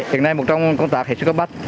hình này một trong công tác hệ sức góp bắt